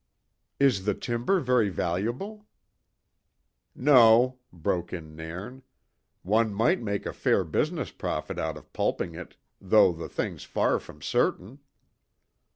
"Is the timber very valuable?" "No," broke in Nairn. "One might make a fair business profit out of pulping it, though the thing's far from certain."